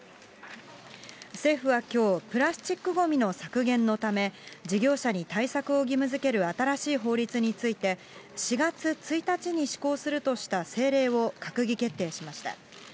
政府はきょう、プラスチックごみの削減のため、事業者に対策を義務づける新しい法律について、４月１日に施行するとした政令を閣議決定しました。